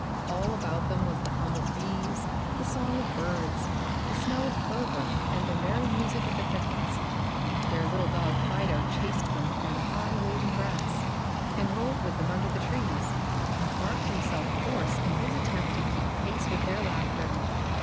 All about them was the hum of bees, the song of birds, the smell of clover, and the merry music of the crickets. Their little dog Fido chased them through the high, waving grass, and rolled with them under the trees, and barked himself hoarse in his attempt to keep pace with their laughter.